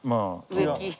植木。